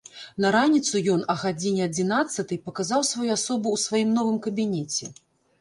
На раніцу ён а гадзіне адзінаццатай паказаў сваю асобу ў сваім новым кабінеце.